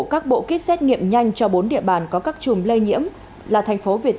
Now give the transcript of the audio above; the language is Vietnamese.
các bộ kit xét nghiệm nhanh cho bốn địa bàn có các chùm lây nhiễm là thành phố việt